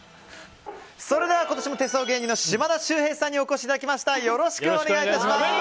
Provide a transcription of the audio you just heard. それでは、今年も手相芸人の島田秀平さんにお越しいただきました。